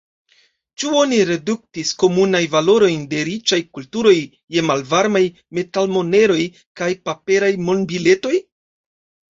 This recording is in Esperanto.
Ĉu oni reduktis komunajn valorojn de riĉaj kulturoj je malvarmaj metalmoneroj kaj paperaj monbiletoj?